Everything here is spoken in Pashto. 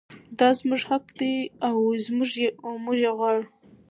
دا زموږ حق دی او موږ یې غواړو.